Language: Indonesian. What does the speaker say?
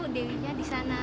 dewinya di sana